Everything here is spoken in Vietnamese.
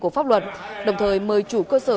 của pháp luật đồng thời mời chủ cơ sở